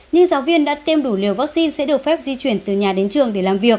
nhưng giáo viên đã tiêm đủ liều vaccine sẽ được phép di chuyển từ nhà đến trường để làm việc